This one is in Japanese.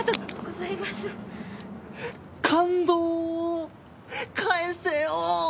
感動を返せよ！